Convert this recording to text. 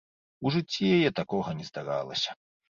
У жыцці яе такога не здаралася.